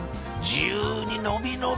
自由に伸び伸び！